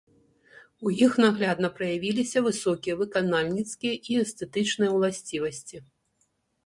У іх наглядна праявіліся высокія выканальніцкія і эстэтычныя ўласцівасці.